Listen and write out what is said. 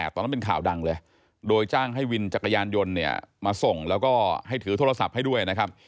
ตอนนั้นเป็นข่าวดังเลยโดยจ้างให้วินจักรยานยนต์เนี่ยมาส่งแล้วก็ให้ถือโทรศัพท์ให้ด้วยนะครับ